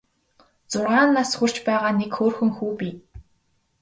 Зургаан нас хүрч байгаа нэг хөөрхөн хүү бий.